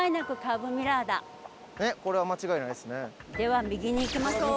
これは間違いないですね。